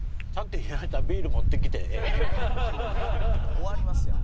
終わりますやん